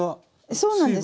そうなんです。